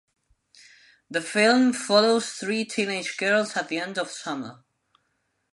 The film follows three teenage girls at the end of summer.